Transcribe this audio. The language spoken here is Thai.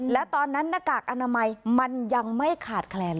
และตอนนั้นหน้ากากอนามัยมันยังไม่ขาดแคลน